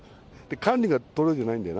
管理が取れてないんだよ。